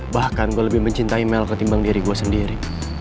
bahkan gue lebih mencintai mel ketimbang diri gue sendiri